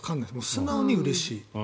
素直にうれしい。